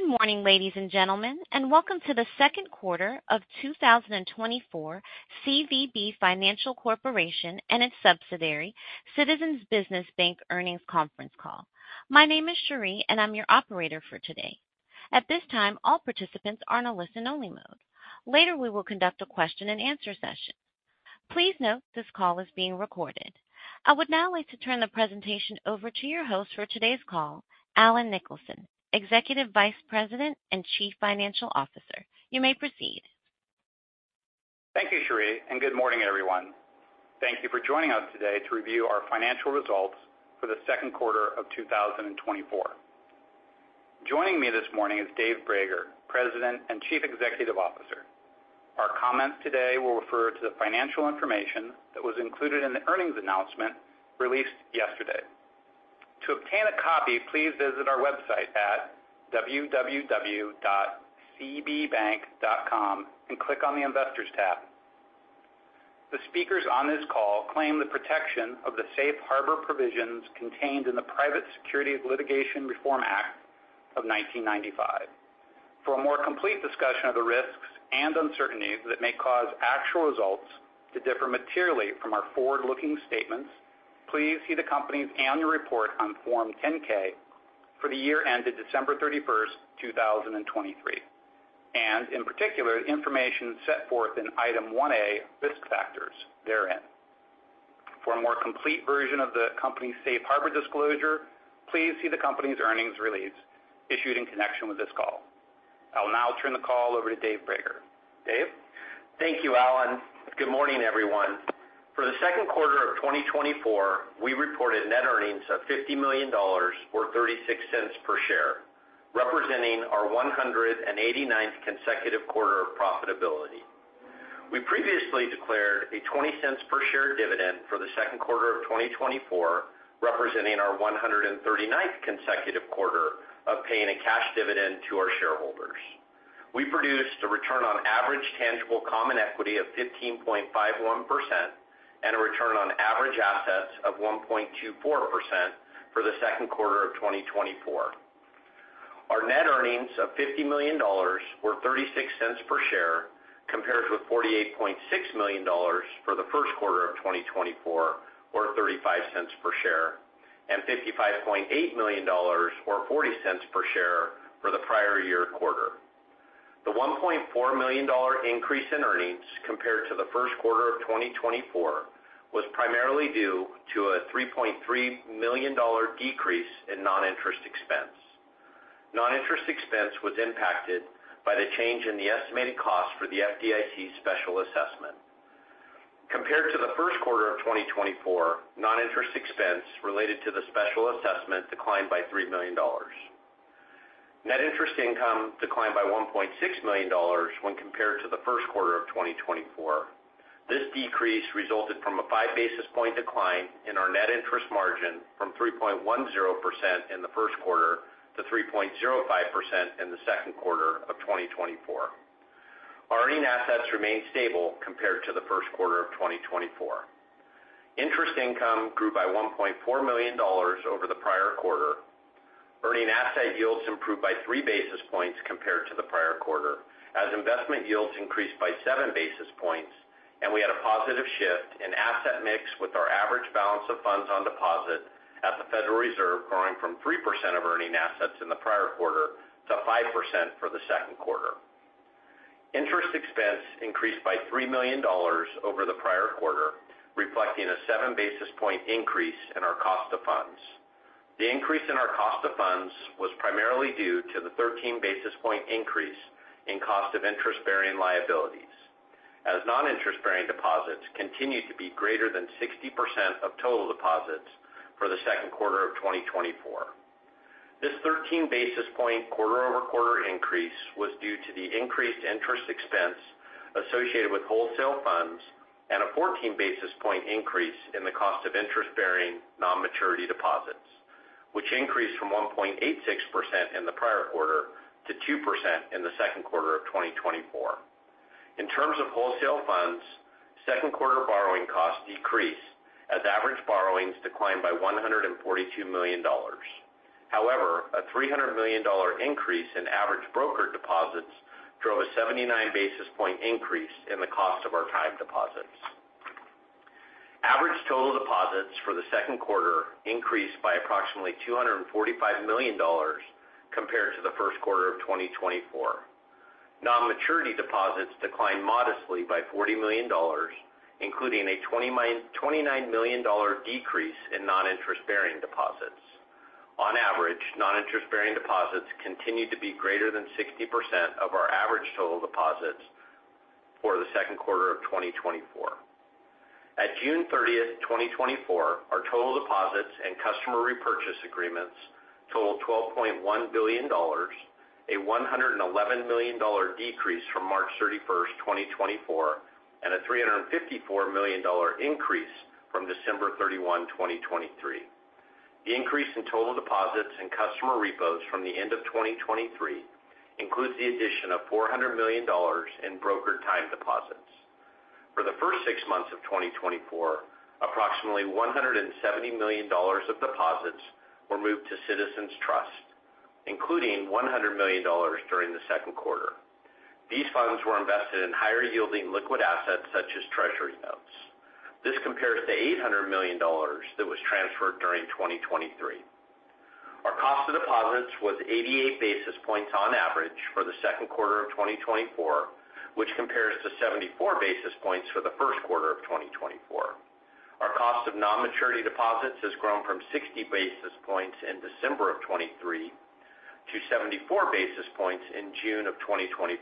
Good morning, ladies and gentlemen, and welcome to the second quarter of 2024 CVB Financial Corporation and its subsidiary, Citizens Business Bank Earnings Conference Call. My name is Cherie, and I'm your operator for today. At this time, all participants are in a listen-only mode. Later, we will conduct a question-and-answer session. Please note this call is being recorded. I would now like to turn the presentation over to your host for today's call, Allen Nicholson, Executive Vice President and Chief Financial Officer. You may proceed. Thank you, Cherie, and good morning, everyone. Thank you for joining us today to review our financial results for the second quarter of 2024. Joining me this morning is Dave Brager, President and Chief Executive Officer. Our comments today will refer to the financial information that was included in the earnings announcement released yesterday. To obtain a copy, please visit our website at www.cbbank.com and click on the Investors tab. The speakers on this call claim the protection of the safe harbor provisions contained in the Private Securities Litigation Reform Act of 1995. For a more complete discussion of the risks and uncertainties that may cause actual results to differ materially from our forward-looking statements, please see the company's annual report on Form 10-K for the year ended December 31st, 2023, and in particular, the information set forth in Item 1A, Risk Factors, therein. For a more complete version of the company's safe harbor disclosure, please see the company's earnings release issued in connection with this call. I'll now turn the call over to Dave Brager. Dave? Thank you, Allen. Good morning, everyone. For the second quarter of 2024, we reported net earnings of $50 million or $0.36 per share, representing our 189th consecutive quarter of profitability. We previously declared a $0.20 per share dividend for the second quarter of 2024, representing our 139th consecutive quarter of paying a cash dividend to our shareholders. We produced a return on average tangible common equity of 15.51% and a return on average assets of 1.24% for the second quarter of 2024. Our net earnings of $50 million or $0.36 per share compares with $48.6 million for the first quarter of 2024, or $0.35 per share, and $55.8 million or $0.40 per share for the prior year quarter. The $1.4 million increase in earnings compared to the first quarter of 2024 was primarily due to a $3.3 million decrease in non-interest expense. Non-interest expense was impacted by the change in the estimated cost for the FDIC Special Assessment. Compared to the first quarter of 2024, non-interest expense related to the Special Assessment declined by $3 million. Net interest income declined by $1.6 million when compared to the first quarter of 2024. This decrease resulted from a five basis point decline in our net interest margin from 3.10% in the first quarter to 3.05% in the second quarter of 2024. Our earning assets remained stable compared to the first quarter of 2024. Interest income grew by $1.4 million over the prior quarter. Earning asset yields improved by 3 basis points compared to the prior quarter, as investment yields increased by 7 basis points, and we had a positive shift in asset mix with our average balance of funds on deposit at the Federal Reserve growing from 3% of earning assets in the prior quarter to 5% for the second quarter. Interest expense increased by $3 million over the prior quarter, reflecting a 7 basis point increase in our cost of funds. The increase in our cost of funds was primarily due to the 13 basis point increase in cost of interest-bearing liabilities, as non-interest-bearing deposits continued to be greater than 60% of total deposits for the second quarter of 2024. This 13 basis point quarter-over-quarter increase was due to the increased interest expense associated with wholesale funds and a 14 basis point increase in the cost of interest-bearing non-maturity deposits, which increased from 1.86% in the prior quarter to 2% in the second quarter of 2024. In terms of wholesale funds, second quarter borrowing costs decreased as average borrowings declined by $142 million. However, a $300 million increase in average brokered deposits drove a 79 basis point increase in the cost of our time deposits. Average total deposits for the second quarter increased by approximately $245 million compared to the first quarter of 2024. Non-maturity deposits declined modestly by $40 million, including a $29 million decrease in non-interest-bearing deposits. On average, non-interest-bearing deposits continued to be greater than 60% of our average total deposits for the second quarter of 2024. At June 30th, 2024, our total deposits and customer repurchase agreements totaled $12.1 billion, a $111 million decrease from March 31st, 2024, and a $354 million increase from December 31, 2023. The increase in total deposits and customer repos from the end of 2023 includes the addition of $400 million in brokered time deposits. For the first six months of 2024, approximately $170 million of deposits were moved to CitizensTrust, including $100 million during the second quarter. These funds were invested in higher-yielding liquid assets such as Treasury notes. This compares to $800 million that was transferred during 2023. Our cost of deposits was 88 basis points on average for the second quarter of 2024, which compares to 74 basis points for the first quarter of 2024. Our cost of non-maturity deposits has grown from 60 basis points in December of 2023 to 74 basis points in June of 2024,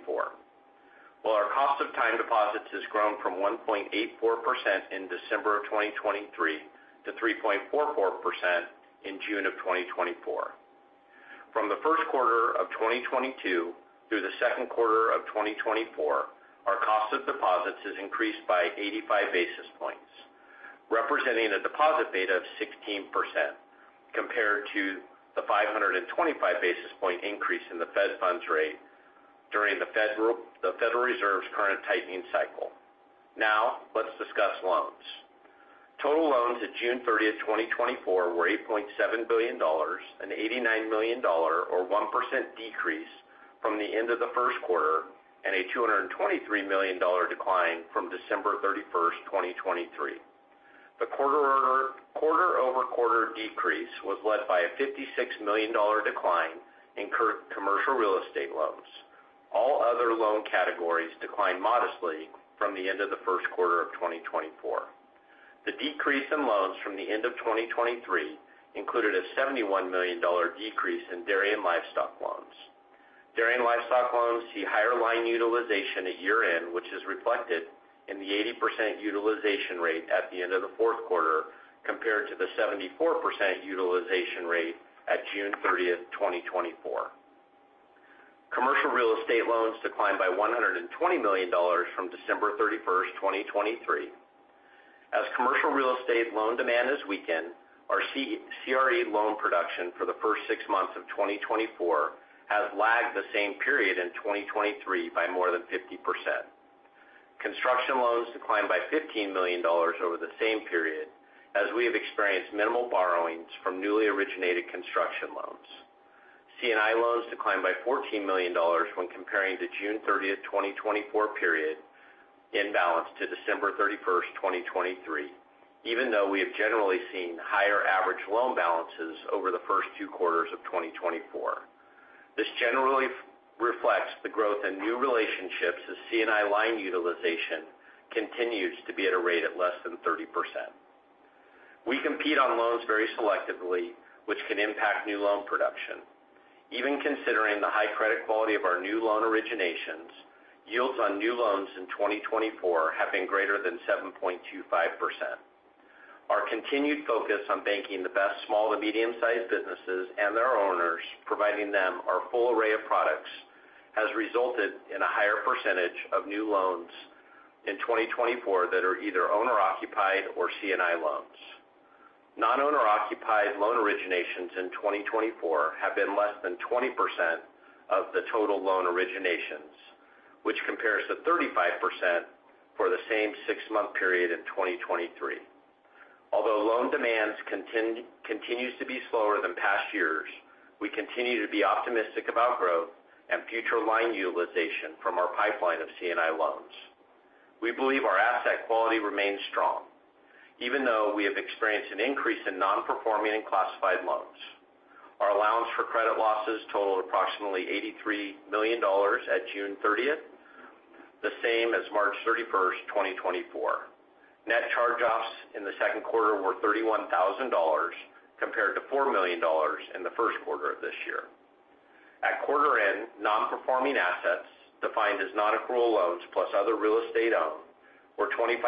while our cost of time deposits has grown from 1.84% in December of 2023 to 3.44% in June of 2024. From the first quarter of 2022 through the second quarter of 2024, our cost of deposits has increased by 85 basis points, representing a deposit rate of 16% compared to the 525 basis point increase in the Fed funds rate during the Federal Reserve's current tightening cycle. Now, let's discuss loans. Total loans at June 30th, 2024, were $8.7 billion, an $89 million, or 1% decrease from the end of the first quarter and a $223 million decline from December 31st, 2023. The quarter-over-quarter decrease was led by a $56 million decline in commercial real estate loans. All other loan categories declined modestly from the end of the first quarter of 2024. The decrease in loans from the end of 2023 included a $71 million decrease in dairy and livestock loans. Dairy and livestock loans see higher line utilization at year-end, which is reflected in the 80% utilization rate at the end of the fourth quarter compared to the 74% utilization rate at June 30th, 2024. Commercial real estate loans declined by $120 million from December 31st, 2023. As commercial real estate loan demand has weakened, our CRE loan production for the first six months of 2024 has lagged the same period in 2023 by more than 50%. Construction loans declined by $15 million over the same period, as we have experienced minimal borrowings from newly originated construction loans. C&I loans declined by $14 million when comparing the June 30th, 2024 period in balance to December 31st, 2023, even though we have generally seen higher average loan balances over the first two quarters of 2024. This generally reflects the growth in new relationships as C&I line utilization continues to be at a rate at less than 30%. We compete on loans very selectively, which can impact new loan production. Even considering the high credit quality of our new loan originations, yields on new loans in 2024 have been greater than 7.25%. Our continued focus on banking the best small to medium-sized businesses and their owners, providing them our full array of products, has resulted in a higher percentage of new loans in 2024 that are either owner-occupied or C&I loans. Non-owner-occupied loan originations in 2024 have been less than 20% of the total loan originations, which compares to 35% for the same six-month period in 2023. Although loan demand continues to be slower than past years, we continue to be optimistic about growth and future line utilization from our pipeline of C&I loans. We believe our asset quality remains strong, even though we have experienced an increase in non-performing and classified loans. Our allowance for credit losses totaled approximately $83 million at June 30th, the same as March 31st, 2024. Net charge-offs in the second quarter were $31,000 compared to $4 million in the first quarter of this year. At quarter-end, non-performing assets defined as non-accrual loans plus other real estate owned were $25.6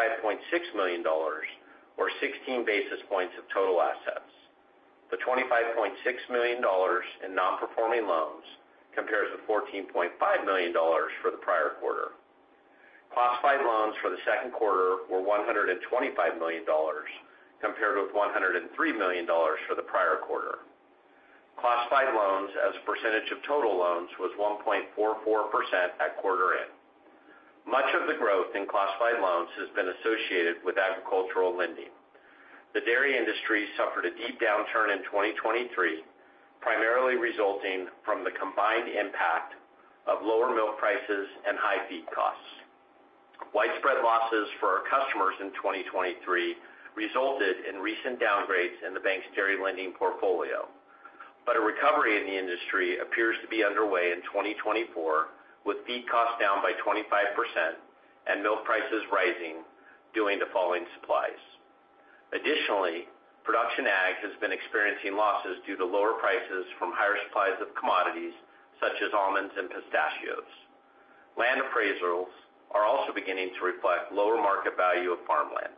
million, or 16 basis points of total assets. The $25.6 million in non-performing loans compares with $14.5 million for the prior quarter. Classified loans for the second quarter were $125 million compared with $103 million for the prior quarter. Classified loans as a percentage of total loans was 1.44% at quarter-end. Much of the growth in classified loans has been associated with agricultural lending. The dairy industry suffered a deep downturn in 2023, primarily resulting from the combined impact of lower milk prices and high feed costs. Widespread losses for our customers in 2023 resulted in recent downgrades in the bank's dairy lending portfolio, but a recovery in the industry appears to be underway in 2024, with feed costs down by 25% and milk prices rising due to falling supplies. Additionally, production ag has been experiencing losses due to lower prices from higher supplies of commodities such as almonds and pistachios. Land appraisals are also beginning to reflect lower market value of farmland.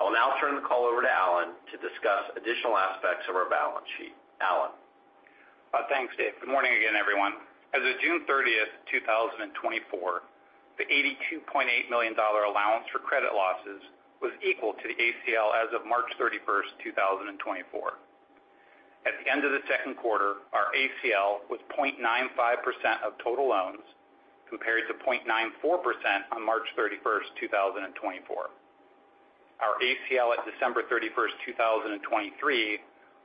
I will now turn the call over to Allen to discuss additional aspects of our balance sheet. Allen. Thanks, Dave. Good morning again, everyone. As of June 30th, 2024, the $82.8 million allowance for credit losses was equal to the ACL as of March 31st, 2024. At the end of the second quarter, our ACL was 0.95% of total loans compared to 0.94% on March 31st, 2024. Our ACL at December 31st, 2023,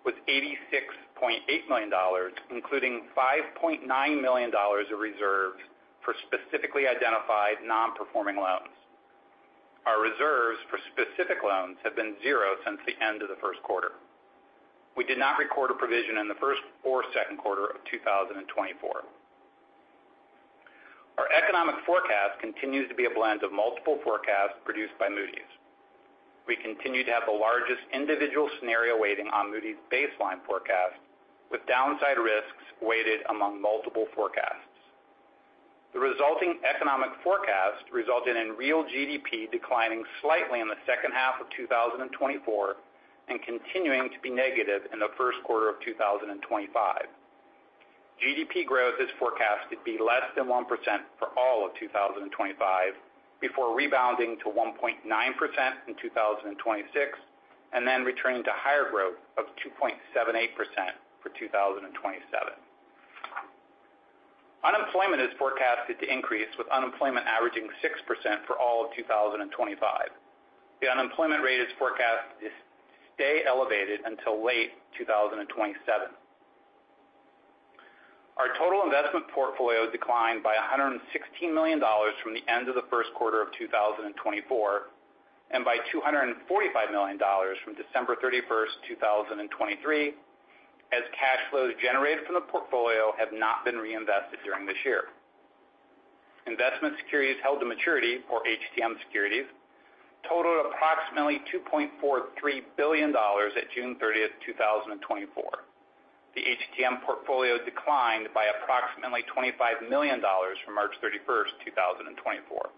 was $86.8 million, including $5.9 million of reserves for specifically identified non-performing loans. Our reserves for specific loans have been zero since the end of the first quarter. We did not record a provision in the first or second quarter of 2024. Our economic forecast continues to be a blend of multiple forecasts produced by Moody's. We continue to have the largest individual scenario weighting on Moody's baseline forecast, with downside risks weighted among multiple forecasts. The resulting economic forecast resulted in real GDP declining slightly in the second half of 2024 and continuing to be negative in the first quarter of 2025. GDP growth is forecast to be less than 1% for all of 2025 before rebounding to 1.9% in 2026 and then returning to higher growth of 2.78% for 2027. Unemployment is forecasted to increase, with unemployment averaging 6% for all of 2025. The unemployment rate is forecast to stay elevated until late 2027. Our total investment portfolio declined by $116 million from the end of the first quarter of 2024 and by $245 million from December 31st, 2023, as cash flows generated from the portfolio have not been reinvested during this year. Investment securities held to maturity, or HTM securities, totaled approximately $2.43 billion at June 30th, 2024. The HTM portfolio declined by approximately $25 million from March 31st, 2024.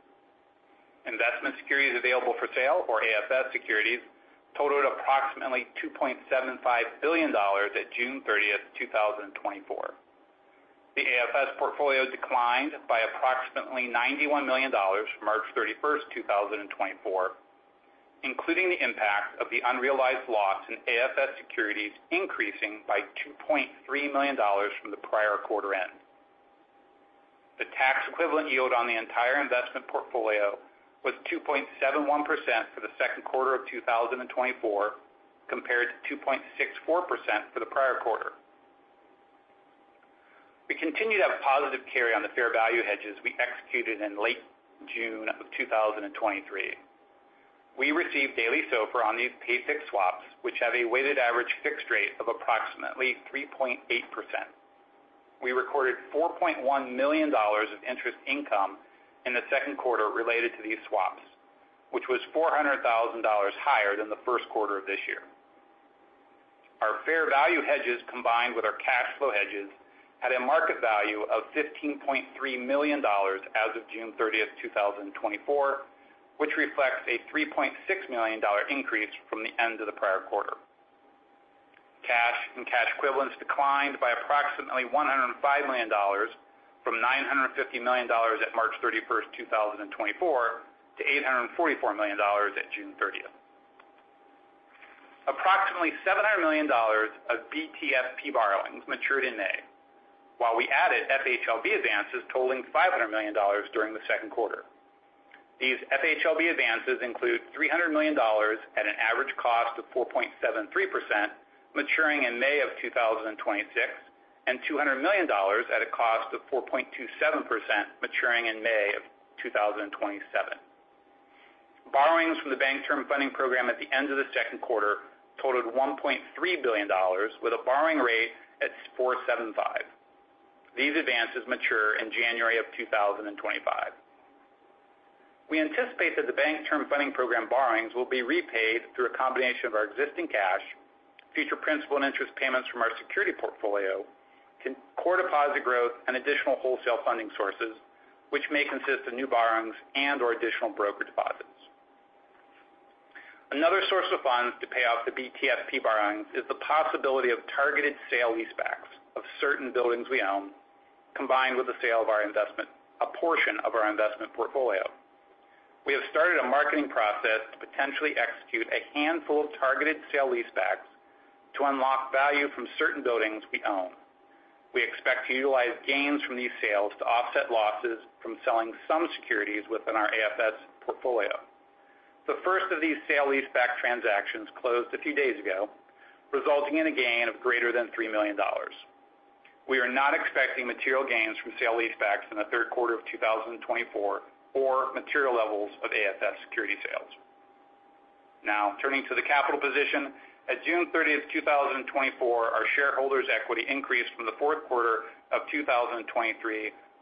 Investment securities available for sale, or AFS securities, totaled approximately $2.75 billion at June 30th, 2024. The AFS portfolio declined by approximately $91 million from March 31st, 2024, including the impact of the unrealized loss in AFS securities increasing by $2.3 million from the prior quarter-end. The tax equivalent yield on the entire investment portfolio was 2.71% for the second quarter of 2024 compared to 2.64% for the prior quarter. We continue to have positive carry on the fair value hedges we executed in late June of 2023. We received daily SOFR on these pay-fixed swaps, which have a weighted average fixed rate of approximately 3.8%. We recorded $4.1 million of interest income in the second quarter related to these swaps, which was $400,000 higher than the first quarter of this year. Our fair value hedges, combined with our cash flow hedges, had a market value of $15.3 million as of June 30th, 2024, which reflects a $3.6 million increase from the end of the prior quarter. Cash and cash equivalents declined by approximately $105 million from $950 million at March 31st, 2024, to $844 million at June 30th. Approximately $700 million of BTFP borrowings matured in May, while we added FHLB advances totaling $500 million during the second quarter. These FHLB advances include $300 million at an average cost of 4.73%, maturing in May of 2026, and $200 million at a cost of 4.27%, maturing in May of 2027. Borrowings from the Bank Term Funding Program at the end of the second quarter totaled $1.3 billion, with a borrowing rate at 4.75%. These advances mature in January of 2025. We anticipate that the Bank Term Funding Program borrowings will be repaid through a combination of our existing cash, future principal and interest payments from our securities portfolio, core deposit growth, and additional wholesale funding sources, which may consist of new borrowings and/or additional broker deposits. Another source of funds to pay off the BTFP borrowings is the possibility of targeted sale-leasebacks of certain buildings we own, combined with the sale of our investment, a portion of our investment portfolio. We have started a marketing process to potentially execute a handful of targeted sale-leasebacks to unlock value from certain buildings we own. We expect to utilize gains from these sales to offset losses from selling some securities within our AFS portfolio. The first of these sale-leaseback transactions closed a few days ago, resulting in a gain of greater than $3 million. We are not expecting material gains from sale leasebacks in the third quarter of 2024 or material levels of AFS security sales. Now, turning to the capital position, at June 30th, 2024, our shareholders' equity increased from the fourth quarter of 2023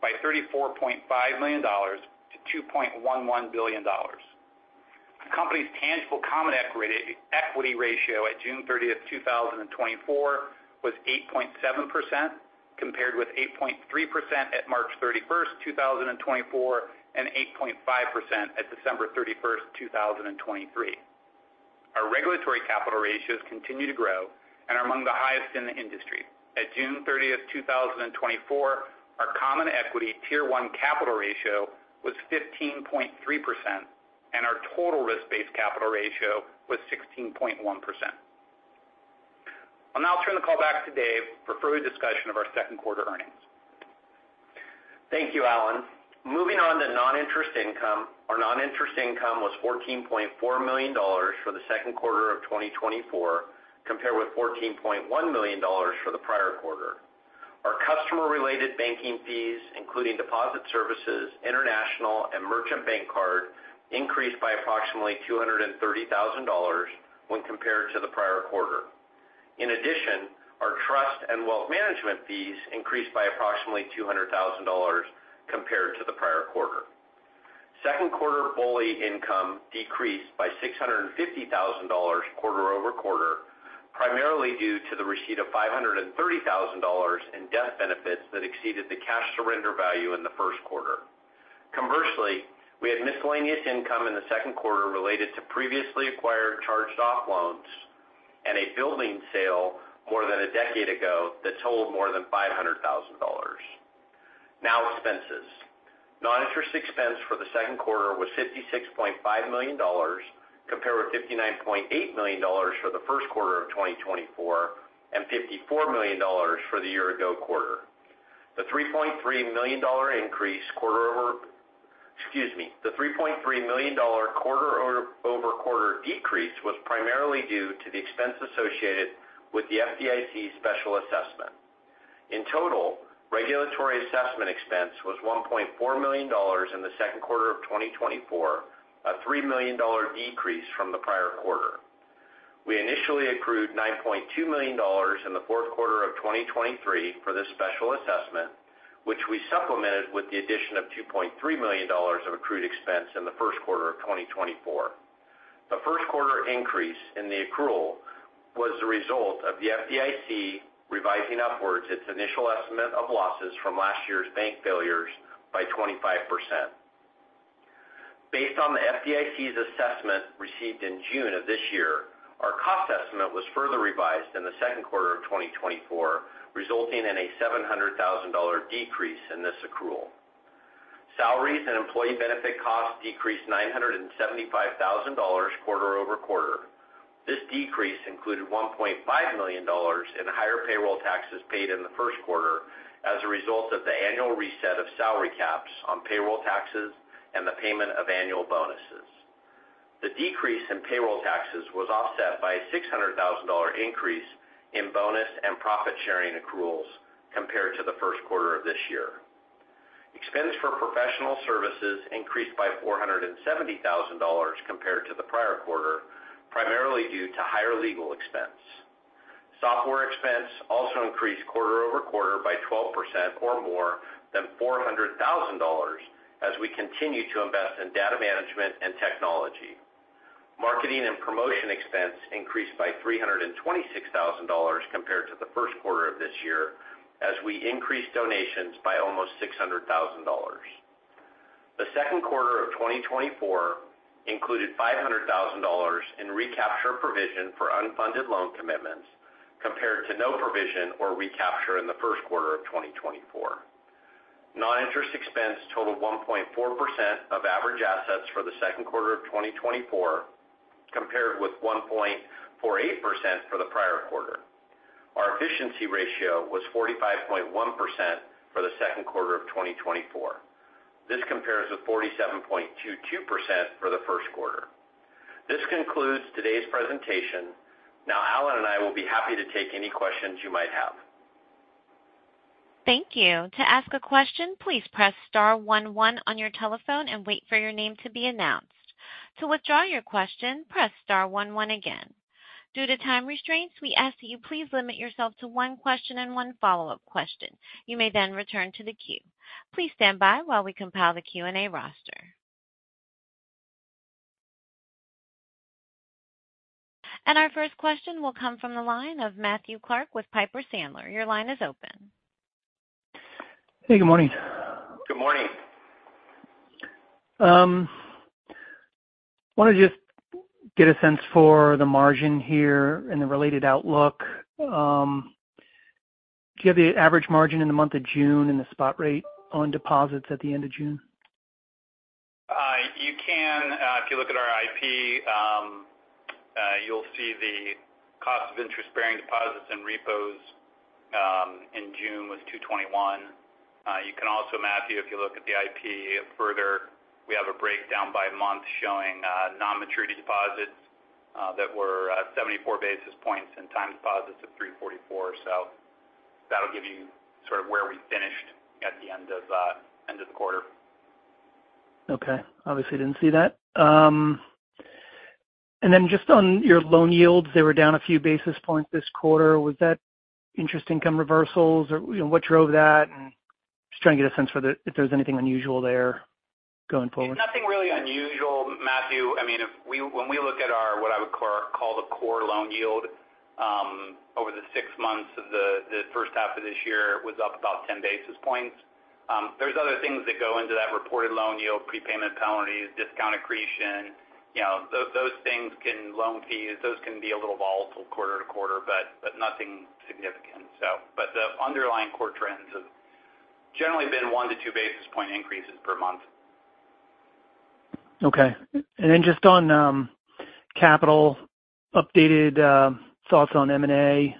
by $34.5 million-$2.11 billion. The company's tangible common equity ratio at June 30th, 2024, was 8.7%, compared with 8.3% at March 31st, 2024, and 8.5% at December 31st, 2023. Our regulatory capital ratios continue to grow and are among the highest in the industry. At June 30th, 2024, our Common Equity Tier 1 capital ratio was 15.3%, and our total risk-based capital ratio was 16.1%. I'll now turn the call back to Dave for further discussion of our second quarter earnings. Thank you, Allen. Moving on to non-interest income, our non-interest income was $14.4 million for the second quarter of 2024, compared with $14.1 million for the prior quarter. Our customer-related banking fees, including deposit services, international, and merchant bank card, increased by approximately $230,000 when compared to the prior quarter. In addition, our trust and wealth management fees increased by approximately $200,000 compared to the prior quarter. Second quarter BOLI income decreased by $650,000 quarter-over-quarter, primarily due to the receipt of $530,000 in death benefits that exceeded the cash surrender value in the first quarter. Conversely, we had miscellaneous income in the second quarter related to previously acquired charged-off loans and a building sale more than a decade ago that totaled more than $500,000. Now, expenses. Noninterest expense for the second quarter was $56.5 million, compared with $59.8 million for the first quarter of 2024 and $54 million for the year-ago quarter. The $3.3 million increase quarter over, excuse me, the $3.3 million quarter-over-quarter decrease was primarily due to the expense associated with the FDIC Special Assessment. In total, regulatory assessment expense was $1.4 million in the second quarter of 2024, a $3 million decrease from the prior quarter. We initially accrued $9.2 million in the fourth quarter of 2023 for this special assessment, which we supplemented with the addition of $2.3 million of accrued expense in the first quarter of 2024. The first quarter increase in the accrual was the result of the FDIC revising upwards its initial estimate of losses from last year's bank failures by 25%. Based on the FDIC's assessment received in June of this year, our cost estimate was further revised in the second quarter of 2024, resulting in a $700,000 decrease in this accrual. Salaries and employee benefit costs decreased $975,000 quarter-over-quarter. This decrease included $1.5 million in higher payroll taxes paid in the first quarter as a result of the annual reset of salary caps on payroll taxes and the payment of annual bonuses. The decrease in payroll taxes was offset by a $600,000 increase in bonus and profit-sharing accruals compared to the first quarter of this year. Expense for professional services increased by $470,000 compared to the prior quarter, primarily due to higher legal expense. Software expense also increased quarter-over-quarter by 12% or more than $400,000 as we continue to invest in data management and technology. Marketing and promotion expense increased by $326,000 compared to the first quarter of this year as we increased donations by almost $600,000. The second quarter of 2024 included $500,000 in recapture provision for unfunded loan commitments compared to no provision or recapture in the first quarter of 2024. Non-interest expense totaled 1.4% of average assets for the second quarter of 2024, compared with 1.48% for the prior quarter. Our efficiency ratio was 45.1% for the second quarter of 2024. This compares with 47.22% for the first quarter. This concludes today's presentation. Now, Allen and I will be happy to take any questions you might have. Thank you. To ask a question, please press star one one on your telephone and wait for your name to be announced. To withdraw your question, press star one one again. Due to time restraints, we ask that you please limit yourself to one question and one follow-up question. You may then return to the queue. Please stand by while we compile the Q&A roster. Our first question will come from the line of Matthew Clark with Piper Sandler. Your line is open. Hey, good morning. Good morning. I want to just get a sense for the margin here and the related outlook. Do you have the average margin in the month of June and the spot rate on deposits at the end of June? You can. If you look at our IP, you'll see the cost of interest-bearing deposits and repos in June was 221. You can also, Matthew, if you look at the IP further, we have a breakdown by month showing non-maturity deposits that were 74 basis points and time deposits of 344. So that'll give you sort of where we finished at the end of the quarter. Okay. Obviously, didn't see that. And then just on your loan yields, they were down a few basis points this quarter. Was that interest income reversals or what drove that? And just trying to get a sense for if there's anything unusual there going forward? Nothing really unusual, Matthew. I mean, when we look at our what I would call the core loan yield over the six months of the first half of this year, it was up about 10 basis points. There's other things that go into that reported loan yield: prepayment penalties, discount accretion, loan fees. Those things can be a little volatile quarter to quarter, but nothing significant. But the underlying core trends have generally been one to two basis point increases per month. Okay. Then just on capital, updated thoughts on M&A,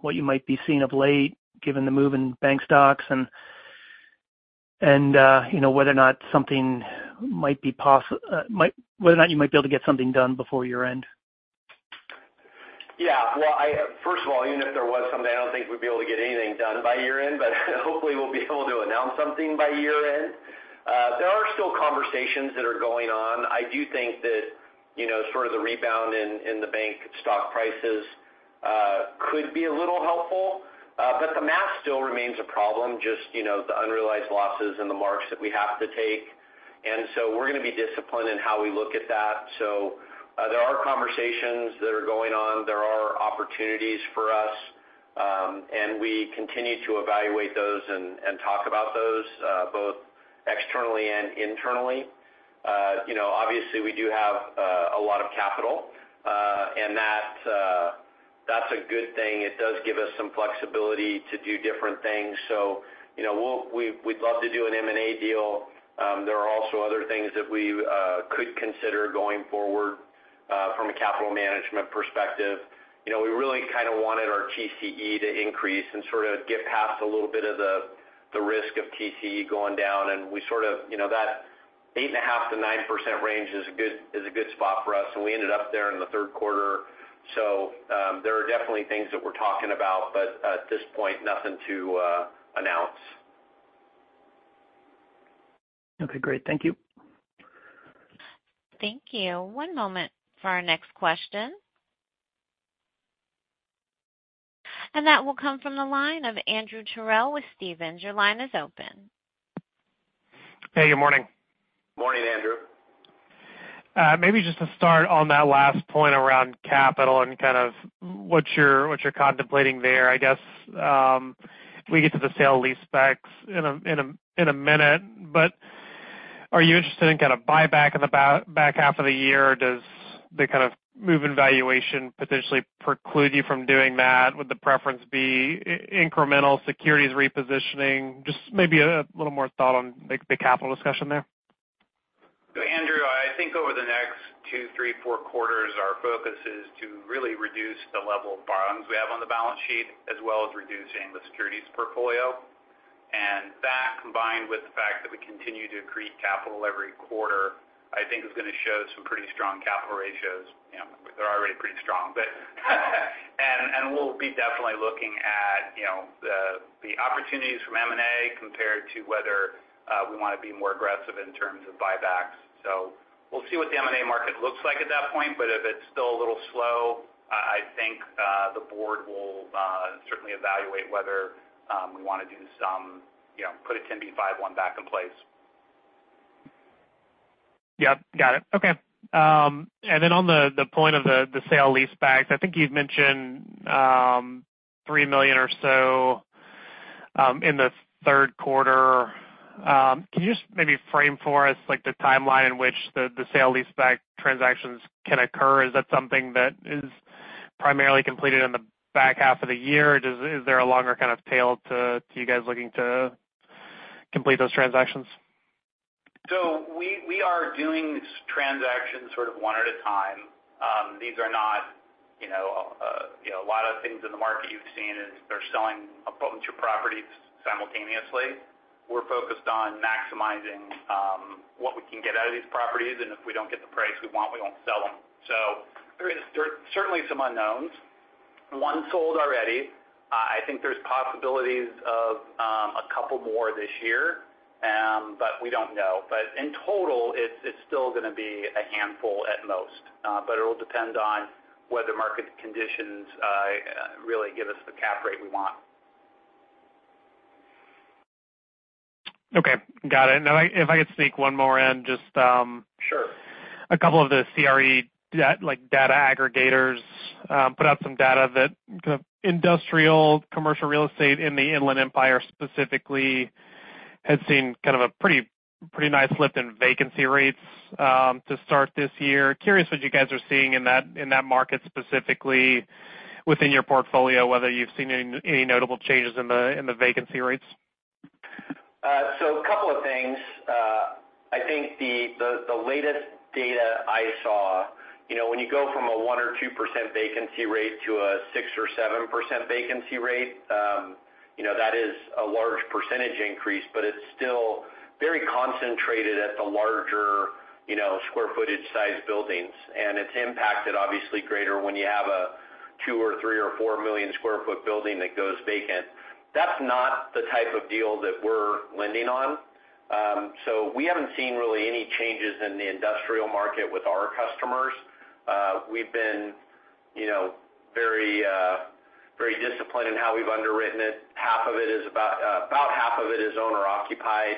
what you might be seeing of late given the move in bank stocks and whether or not something might be, whether or not you might be able to get something done before year-end? Yeah. Well, first of all, even if there was something, I don't think we'd be able to get anything done by year-end, but hopefully we'll be able to announce something by year-end. There are still conversations that are going on. I do think that sort of the rebound in the bank stock prices could be a little helpful, but the math still remains a problem, just the unrealized losses and the marks that we have to take. And so we're going to be disciplined in how we look at that. So there are conversations that are going on. There are opportunities for us, and we continue to evaluate those and talk about those both externally and internally. Obviously, we do have a lot of capital, and that's a good thing. It does give us some flexibility to do different things. So we'd love to do an M&A deal. There are also other things that we could consider going forward from a capital management perspective. We really kind of wanted our TCE to increase and sort of get past a little bit of the risk of TCE going down. We sort of, that 8.5%-9% range is a good spot for us. We ended up there in the third quarter. There are definitely things that we're talking about, but at this point, nothing to announce. Okay. Great. Thank you. Thank you. One moment for our next question. That will come from the line of Andrew Terrell with Stephens. Your line is open. Hey, good morning. Morning, Andrew. Maybe just to start on that last point around capital and kind of what you're contemplating there, I guess we get to the sale lease specs in a minute. But are you interested in kind of buyback in the back half of the year? Does the kind of move in valuation potentially preclude you from doing that? Would the preference be incremental securities repositioning? Just maybe a little more thought on the capital discussion there. So, Andrew, I think over the next two, three, four quarters, our focus is to really reduce the level of borrowings we have on the balance sheet as well as reducing the securities portfolio. And that, combined with the fact that we continue to accrete capital every quarter, I think is going to show some pretty strong capital ratios. They're already pretty strong. And we'll be definitely looking at the opportunities from M&A compared to whether we want to be more aggressive in terms of buybacks. So we'll see what the M&A market looks like at that point. But if it's still a little slow, I think the board will certainly evaluate whether we want to do some put a 10b5-1 back in place. Yep. Got it. Okay. And then on the point of the sale-leasebacks, I think you've mentioned $3 million or so in the third quarter. Can you just maybe frame for us the timeline in which the sale-leaseback transactions can occur? Is that something that is primarily completed in the back half of the year? Is there a longer kind of tail to you guys looking to complete those transactions? So we are doing transactions sort of one at a time. These are not a lot of things in the market you've seen is they're selling a bunch of properties simultaneously. We're focused on maximizing what we can get out of these properties. And if we don't get the price we want, we won't sell them. So there are certainly some unknowns. One sold already. I think there's possibilities of a couple more this year, but we don't know. But in total, it's still going to be a handful at most. But it'll depend on whether market conditions really give us the cap rate we want. Okay. Got it. Now, if I could sneak one more in, just. Sure. A couple of the CRE data aggregators put out some data that kind of industrial commercial real estate in the Inland Empire specifically had seen kind of a pretty nice lift in vacancy rates to start this year. Curious what you guys are seeing in that market specifically within your portfolio, whether you've seen any notable changes in the vacancy rates? So a couple of things. I think the latest data I saw, when you go from a 1% or 2% vacancy rate to a 6% or 7% vacancy rate, that is a large percentage increase, but it's still very concentrated at the larger square footage size buildings. And it's impacted, obviously, greater when you have a 2-, 3-, or 4-million sq ft building that goes vacant. That's not the type of deal that we're lending on. So we haven't seen really any changes in the industrial market with our customers. We've been very disciplined in how we've underwritten it. About half of it is owner-occupied.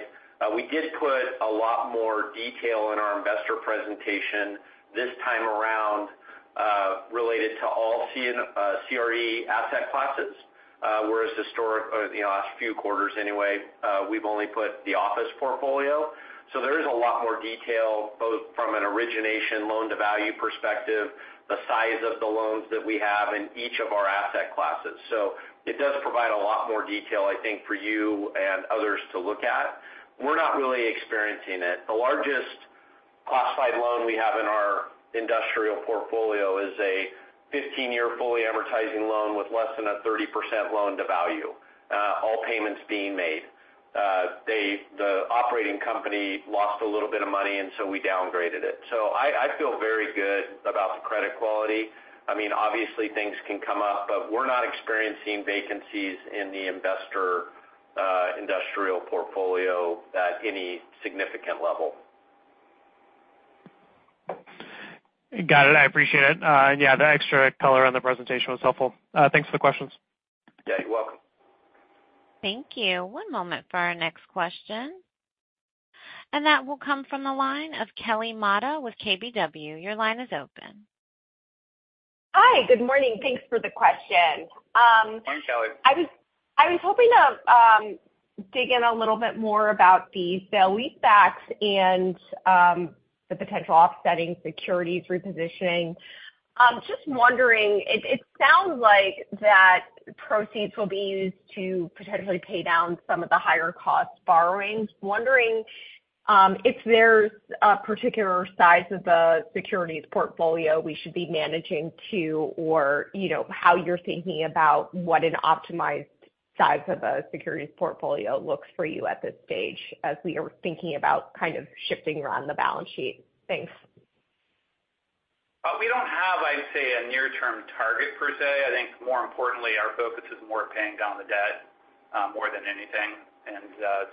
We did put a lot more detail in our investor presentation this time around related to all CRE asset classes, whereas historically, the last few quarters anyway, we've only put the office portfolio. So there is a lot more detail both from an origination loan-to-value perspective, the size of the loans that we have in each of our asset classes. So it does provide a lot more detail, I think, for you and others to look at. We're not really experiencing it. The largest classified loan we have in our industrial portfolio is a 15-year fully amortizing loan with less than a 30% loan-to-value, all payments being made. The operating company lost a little bit of money, and so we downgraded it. So I feel very good about the credit quality. I mean, obviously, things can come up, but we're not experiencing vacancies in the investor industrial portfolio at any significant level. Got it. I appreciate it. Yeah, the extra color on the presentation was helpful. Thanks for the questions. Yeah, you're welcome. Thank you. One moment for our next question. And that will come from the line of Kelly Motta with KBW. Your line is open. Hi. Good morning. Thanks for the question. Morning, Kelly. I was hoping to dig in a little bit more about the sale-leasebacks and the potential offsetting securities repositioning. Just wondering, it sounds like that proceeds will be used to potentially pay down some of the higher-cost borrowings. Wondering if there's a particular size of the securities portfolio we should be managing to or how you're thinking about what an optimized size of a securities portfolio looks for you at this stage as we are thinking about kind of shifting around the balance sheet. Thanks. We don't have, I'd say, a near-term target per se. I think more importantly, our focus is more paying down the debt more than anything. And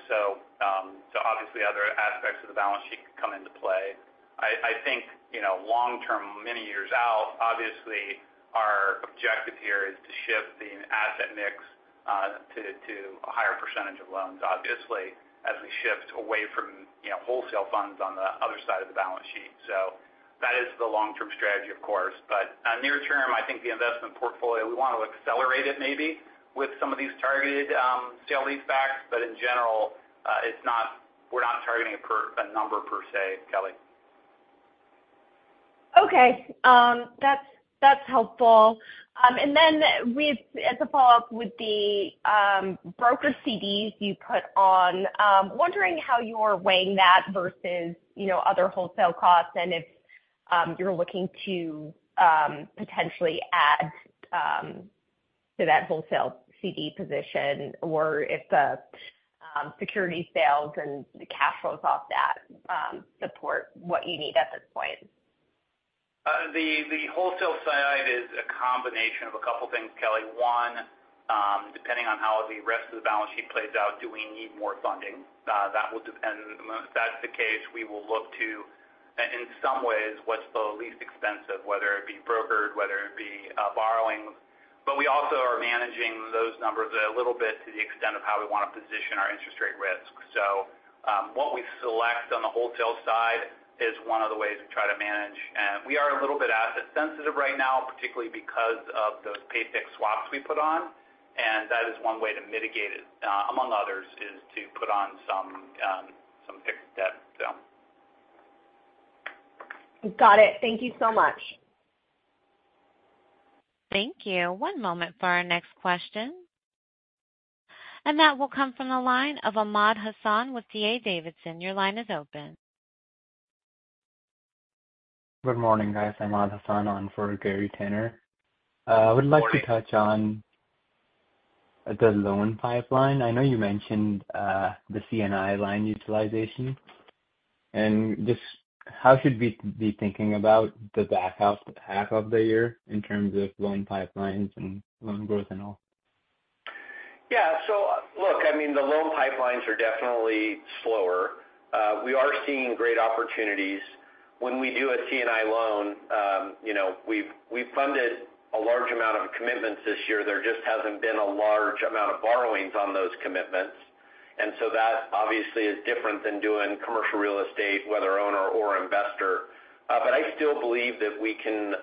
so obviously, other aspects of the balance sheet come into play. I think long-term, many years out, obviously, our objective here is to shift the asset mix to a higher percentage of loans, obviously, as we shift away from wholesale funds on the other side of the balance sheet. So that is the long-term strategy, of course. But near-term, I think the investment portfolio, we want to accelerate it maybe with some of these targeted sale-leasebacks. But in general, we're not targeting a number per se, Kelly. Okay. That's helpful. And then as a follow-up with the brokered CDs you put on, wondering how you're weighing that versus other wholesale costs and if you're looking to potentially add to that wholesale CD position or if the security sales and the cash flows off that support what you need at this point? The wholesale side is a combination of a couple of things, Kelly. One, depending on how the rest of the balance sheet plays out, do we need more funding? That will depend. If that's the case, we will look to, in some ways, what's the least expensive, whether it be brokered, whether it be borrowing. But we also are managing those numbers a little bit to the extent of how we want to position our interest rate risk. So what we select on the wholesale side is one of the ways we try to manage. And we are a little bit asset-sensitive right now, particularly because of those pay-fix swaps we put on. And that is one way to mitigate it, among others, is to put on some fixed debt, so. Got it. Thank you so much. Thank you. One moment for our next question. That will come from the line of Ahmad Hasan with D.A. Davidson. Your line is open. Good morning, guys. I'm Ahmad Hasan on for Gary Tenner. I would like to touch on the loan pipeline. I know you mentioned the C&I line utilization. Just how should we be thinking about the back half of the year in terms of loan pipelines and loan growth and all? Yeah. So look, I mean, the loan pipelines are definitely slower. We are seeing great opportunities. When we do a C&I loan, we've funded a large amount of commitments this year. There just hasn't been a large amount of borrowings on those commitments. And so that obviously is different than doing commercial real estate, whether owner or investor. But I still believe that we can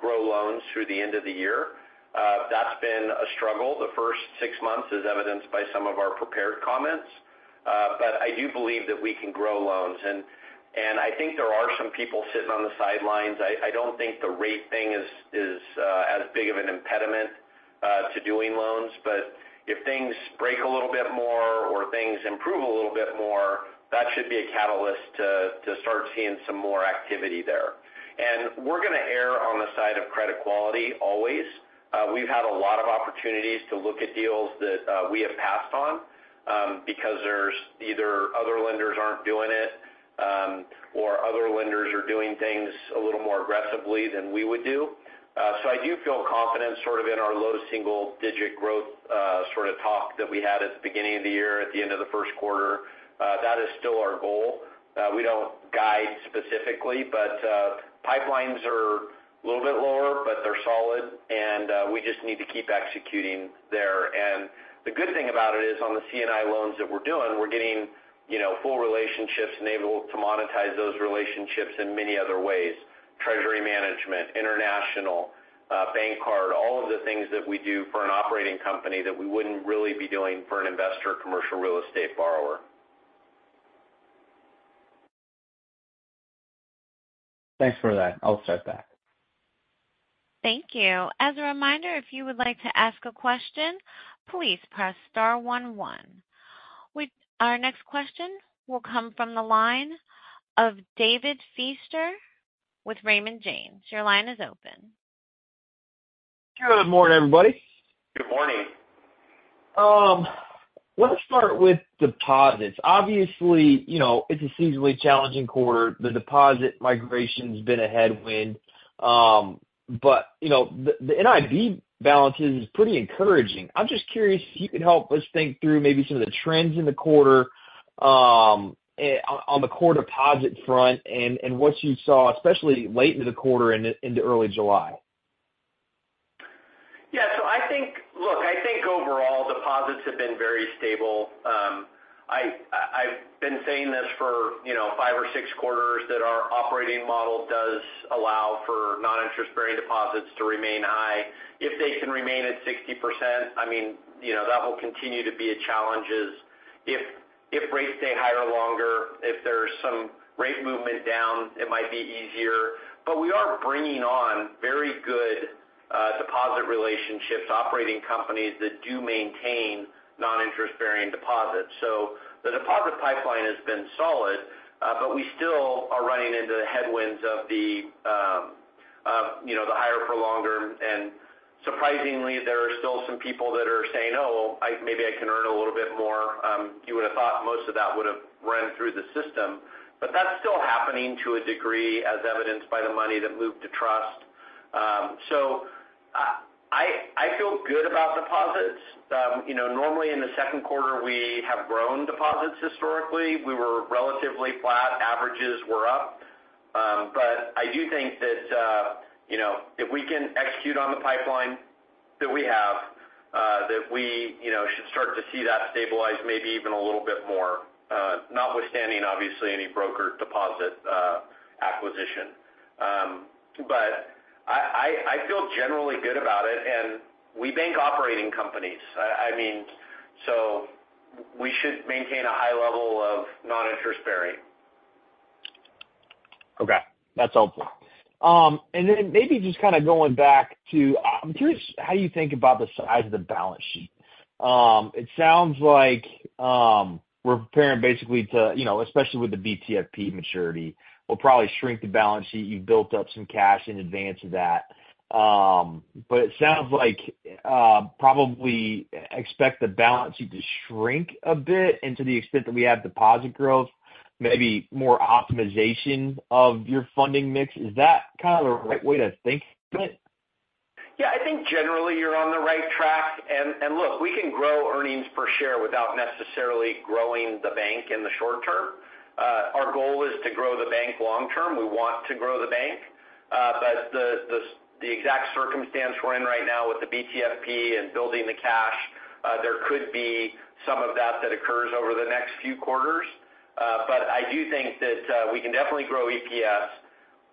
grow loans through the end of the year. That's been a struggle. The first six months is evidenced by some of our prepared comments. But I do believe that we can grow loans. And I think there are some people sitting on the sidelines. I don't think the rate thing is as big of an impediment to doing loans. But if things break a little bit more or things improve a little bit more, that should be a catalyst to start seeing some more activity there. And we're going to err on the side of credit quality always. We've had a lot of opportunities to look at deals that we have passed on because either other lenders aren't doing it or other lenders are doing things a little more aggressively than we would do. So I do feel confident sort of in our low single-digit growth sort of talk that we had at the beginning of the year, at the end of the first quarter. That is still our goal. We don't guide specifically, but pipelines are a little bit lower, but they're solid. And we just need to keep executing there. The good thing about it is on the C&I loans that we're doing, we're getting full relationships and able to monetize those relationships in many other ways: treasury management, international, bank card, all of the things that we do for an operating company that we wouldn't really be doing for an investor commercial real estate borrower. Thanks for that. I'll step back. Thank you. As a reminder, if you would like to ask a question, please press star 11. Our next question will come from the line of David Feaster with Raymond James. Your line is open. Good morning, everybody. Good morning. Let's start with deposits. Obviously, it's a seasonally challenging quarter. The deposit migration has been a headwind. But the NIB balances is pretty encouraging. I'm just curious if you could help us think through maybe some of the trends in the quarter on the core deposit front and what you saw, especially late into the quarter and into early July? Yeah. So look, I think overall, deposits have been very stable. I've been saying this for 5 or 6 quarters that our operating model does allow for non-interest-bearing deposits to remain high. If they can remain at 60%, I mean, that will continue to be a challenge if rates stay higher longer. If there's some rate movement down, it might be easier. But we are bringing on very good deposit relationships, operating companies that do maintain non-interest-bearing deposits. So the deposit pipeline has been solid, but we still are running into the headwinds of the higher-for-longer. And surprisingly, there are still some people that are saying, "Oh, maybe I can earn a little bit more." You would have thought most of that would have run through the system. But that's still happening to a degree, as evidenced by the money that moved to trust. So I feel good about deposits. Normally, in the second quarter, we have grown deposits historically. We were relatively flat. Averages were up. But I do think that if we can execute on the pipeline that we have, that we should start to see that stabilize maybe even a little bit more, notwithstanding, obviously, any broker deposit acquisition. But I feel generally good about it. We bank operating companies. I mean, so we should maintain a high level of non-interest-bearing. Okay. That's helpful. And then maybe just kind of going back to, I'm curious how you think about the size of the balance sheet. It sounds like we're preparing basically to, especially with the BTFP maturity, we'll probably shrink the balance sheet. You've built up some cash in advance of that. But it sounds like probably expect the balance sheet to shrink a bit and to the extent that we have deposit growth, maybe more optimization of your funding mix. Is that kind of the right way to think of it? Yeah. I think generally you're on the right track. And look, we can grow earnings per share without necessarily growing the bank in the short term. Our goal is to grow the bank long-term. We want to grow the bank. But the exact circumstance we're in right now with the BTFP and building the cash, there could be some of that that occurs over the next few quarters. But I do think that we can definitely grow EPS,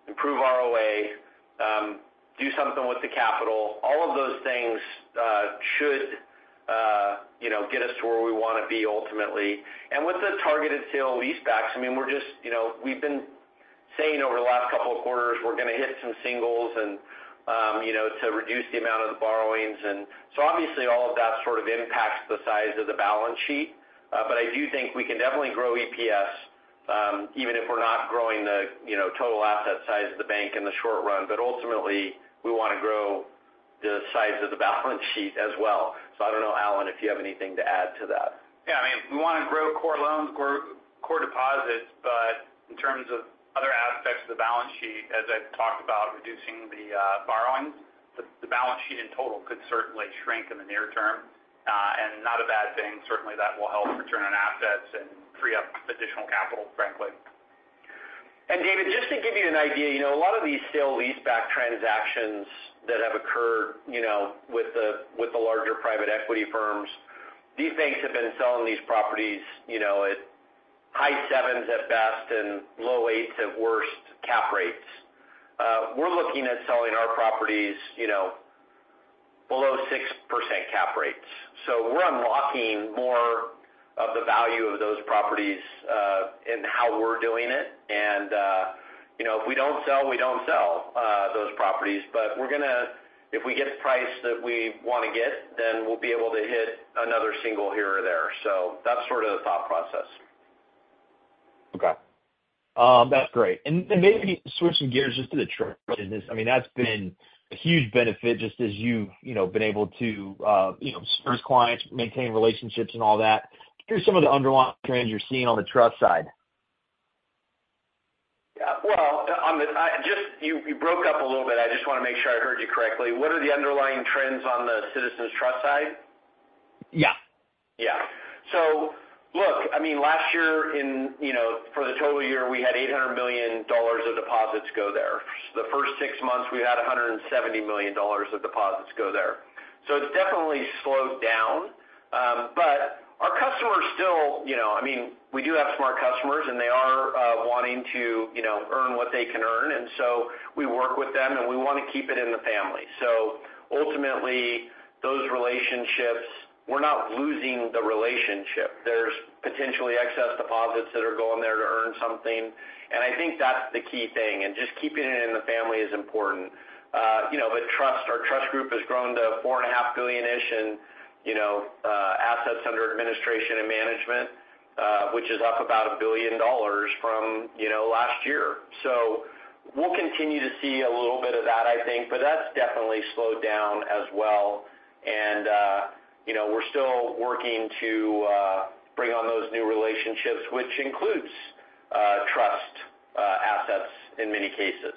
improve ROA, do something with the capital. All of those things should get us to where we want to be ultimately. And with the targeted sale-leasebacks, I mean, we're just, we've been saying over the last couple of quarters we're going to hit some singles and to reduce the amount of the borrowings. And so obviously, all of that sort of impacts the size of the balance sheet. But I do think we can definitely grow EPS, even if we're not growing the total asset size of the bank in the short run. But ultimately, we want to grow the size of the balance sheet as well. So I don't know, Allen, if you have anything to add to that. Yeah. I mean, we want to grow core deposits. But in terms of other aspects of the balance sheet, as I've talked about, reducing the borrowings, the balance sheet in total could certainly shrink in the near term. And not a bad thing. Certainly, that will help return on assets and free up additional capital, frankly. David, just to give you an idea, a lot of these sale-leaseback transactions that have occurred with the larger private equity firms, these banks have been selling these properties at high sevens at best and low eights at worst cap rates. We're looking at selling our properties below 6% cap rates. So we're unlocking more of the value of those properties and how we're doing it. And if we don't sell, we don't sell those properties. But if we get the price that we want to get, then we'll be able to hit another single here or there. So that's sort of the thought process. Okay. That's great. And maybe switching gears just to the trust business. I mean, that's been a huge benefit just as you've been able to service clients, maintain relationships, and all that. Here's some of the underlying trends you're seeing on the trust side. Yeah. Well, you broke up a little bit. I just want to make sure I heard you correctly. What are the underlying trends on the CitizensTrust side? Yeah. Yeah. So look, I mean, last year for the total year, we had $800 million of deposits go there. The first six months, we had $170 million of deposits go there. So it's definitely slowed down. But our customers still, I mean, we do have smart customers, and they are wanting to earn what they can earn. And so we work with them, and we want to keep it in the family. So ultimately, those relationships, we're not losing the relationship. There's potentially excess deposits that are going there to earn something. And I think that's the key thing. And just keeping it in the family is important. But our trust group has grown to $4.5 billion-ish in assets under administration and management, which is up about $1 billion from last year. So we'll continue to see a little bit of that, I think. That's definitely slowed down as well. We're still working to bring on those new relationships, which includes trust assets in many cases.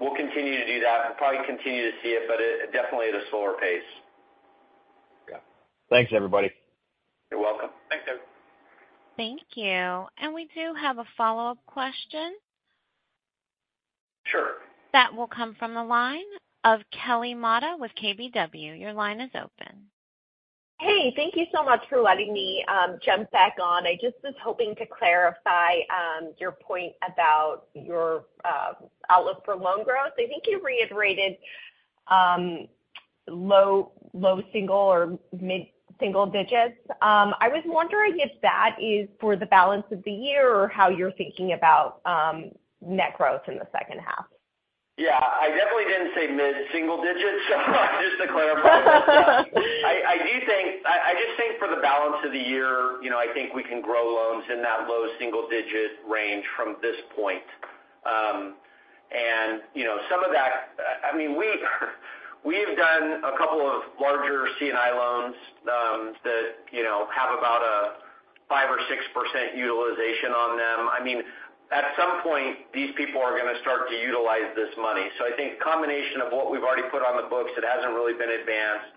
We'll continue to do that. We'll probably continue to see it, but definitely at a slower pace. Yeah. Thanks, everybody. You're welcome. Thank you. Thank you. We do have a follow-up question. Sure. That will come from the line of Kelly Motta with KBW. Your line is open. Hey, thank you so much for letting me jump back on. I just was hoping to clarify your point about your outlook for loan growth. I think you reiterated low single or mid-single digits. I was wondering if that is for the balance of the year or how you're thinking about net growth in the second half. Yeah. I definitely didn't say mid-single digits, so just to clarify. I just think for the balance of the year, I think we can grow loans in that low single-digit range from this point. And some of that, I mean, we have done a couple of larger C&I loans that have about a 5% or 6% utilization on them. I mean, at some point, these people are going to start to utilize this money. So I think a combination of what we've already put on the books that hasn't really been advanced,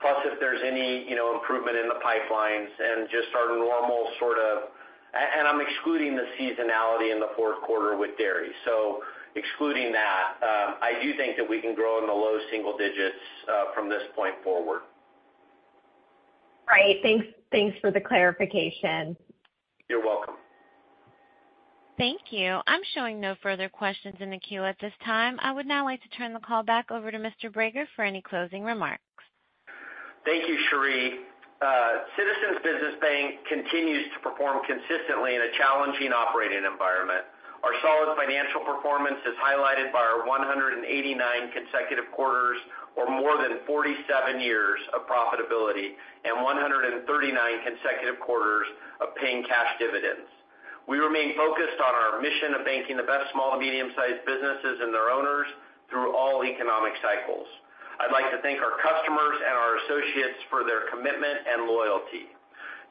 plus if there's any improvement in the pipelines and just our normal sort of, and I'm excluding the seasonality in the fourth quarter with dairy. So excluding that, I do think that we can grow in the low single digits from this point forward. Right. Thanks for the clarification. You're welcome. Thank you. I'm showing no further questions in the queue at this time. I would now like to turn the call back over to Mr. Brager for any closing remarks. Thank you, Cherie. Citizens Business Bank continues to perform consistently in a challenging operating environment. Our solid financial performance is highlighted by our 189 consecutive quarters or more than 47 years of profitability and 139 consecutive quarters of paying cash dividends. We remain focused on our mission of banking the best small to medium-sized businesses and their owners through all economic cycles. I'd like to thank our customers and our associates for their commitment and loyalty.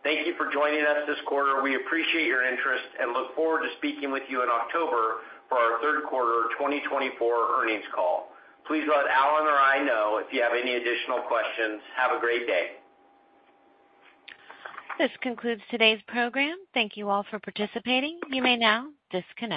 Thank you for joining us this quarter. We appreciate your interest and look forward to speaking with you in October for our third quarter 2024 earnings call. Please let Alan or I know if you have any additional questions. Have a great day. This concludes today's program. Thank you all for participating. You may now disconnect.